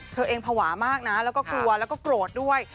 เธอเองภาวะมากนะแล้วก็กลัวแล้วก็โกรธด้วย